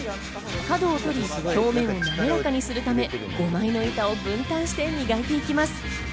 角を取り、表面をなめらかにするため、５枚の板を分担して磨いていきます。